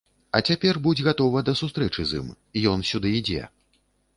А цяпер будзь гатова да сустрэчы з ім, ён сюды ідзе.